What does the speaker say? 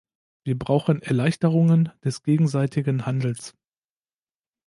Wir brauchen Erleichterungen des gegenseitigen Handels.